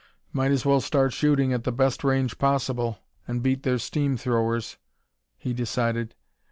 "Might as well start shooting at the best range possible, and beat their steam throwers," he decided.